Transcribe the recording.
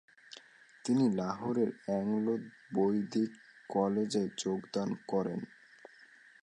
তিনি লাহোরের অ্যাংলো-বৈদিক কলেজে যোগদান করেন।